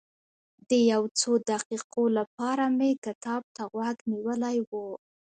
د یو څو دقیقو لپاره مې کتاب ته غوږ نیولی و.